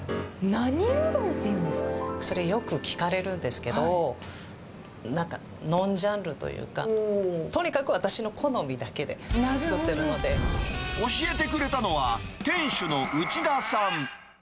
それ、よく聞かれるんですけど、なんかノンジャンルというか、とにかく私の好みだけで作ってる教えてくれたのは、店主の内田さん。